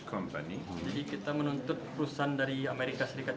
jadi karena kita menuntut di amerika serikat